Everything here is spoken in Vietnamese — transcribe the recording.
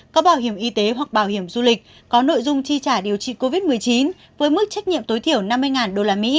có bảo hiểm y tế hoặc bảo hiểm du lịch có nội dung chi trả điều trị covid một mươi chín với mức trách nhiệm tối thiểu năm mươi usd